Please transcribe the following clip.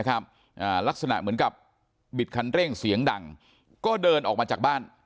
ลักษณะเหมือนกับบิดคันเร่งเสียงดังก็เดินออกมาจากบ้าน